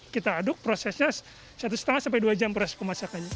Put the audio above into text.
kita aduk prosesnya satu lima sampai dua jam proses pemasakannya